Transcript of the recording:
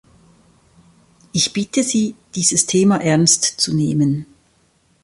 Ich bitte Sie, dieses Thema ernst zu nehmen.